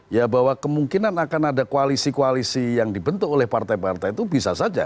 ya bahwa kemungkinan akan ada koalisi koalisi yang dibentuk oleh partai partai itu bisa saja